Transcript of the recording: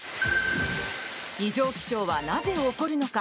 異常気象は、なぜ起こるのか。